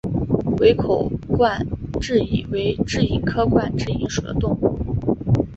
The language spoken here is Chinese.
围口冠蛭蚓为蛭蚓科冠蛭蚓属的动物。